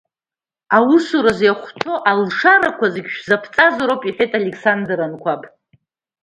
Аусуразы иахәҭоу алшарақәа зегьы шәзаԥҵазароуп, — иҳәеит Александр Анқәаб.